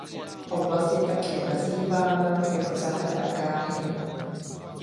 Oblast je také nazývána jako "Zahrada Káhiry".